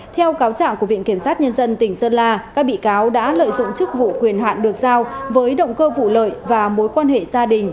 theo cáo trạng của viện kiểm sát nhân dân tỉnh sơn la các bị cáo đã lợi dụng chức vụ quyền hạn được giao với động cơ vụ lợi và mối quan hệ gia đình